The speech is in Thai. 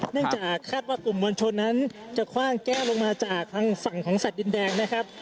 เนื่องจากคาดว่ากลุ่มมวลชนนั้นจะคว่างแก้วลงมาจากทางฝั่งของสัตว์ดินแดงนะครับ